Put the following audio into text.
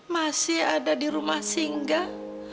masih ada di rumah singgah